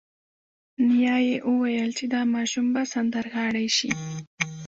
نیا یې وویل چې دا ماشوم به سندرغاړی شي